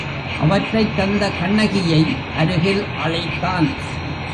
அவற்றைத் தந்த கண்ணகியை அருகில் அழைத்தான்.